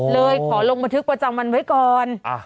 เลยขอลงบันทึกประจำวันไว้ก่อน